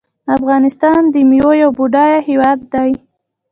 افغانستان د میوو یو بډایه هیواد دی.